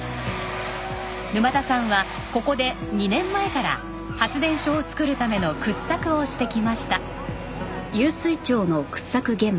沼田さんはここで２年前から発電所を作るための掘削をしてきました。